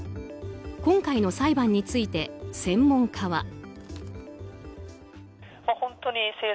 今回の裁判についても専門家は。